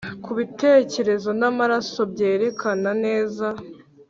Kubitekerezo namaso byerekana neza